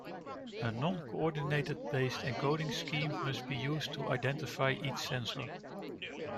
A non-coordinate based encoding scheme must be used to identify each sensor.